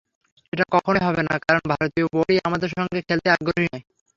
এটা কখনোই হবে না, কারণ ভারতীয় বোর্ডই আমাদের সঙ্গে খেলতে আগ্রহী নয়।